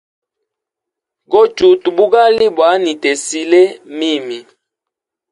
Gochuta bugali bwa nitesile mimi.